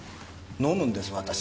飲むんです私が。